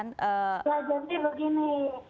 nah jadi begini